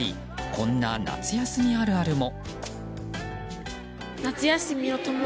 こんな夏休みあるあるも。